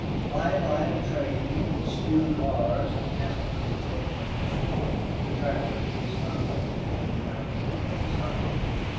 By and by the train, with its few cars and half a hundred workmen, was ready, and the trapper and his comrades rode out alongside.